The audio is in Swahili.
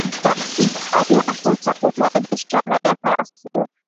Sayyid Said aliona fursa kubwa ya biashara ya karafuu